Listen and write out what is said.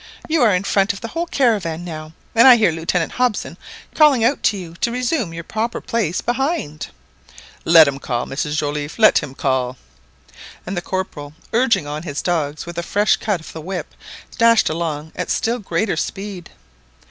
You are in front of the whole caravan now, and I hear Lieutenant Hobson calling out to you to resume your proper place behind." "Let him call, Mrs Joliffe, let him call." And the Corporal, urging on his dogs with a fresh cut of the whip, dashed along at still greater speed.